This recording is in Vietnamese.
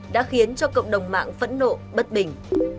đã khiến cho cộng đồng mạng phẫn nộ bất bình